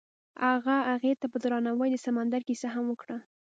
هغه هغې ته په درناوي د سمندر کیسه هم وکړه.